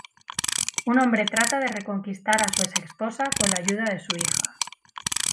Un hombre trata de reconquistar a su exesposa con la ayuda de su hija.